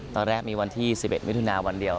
ตอนแรกมีวันที่๑๑มิถุนาวันเดียว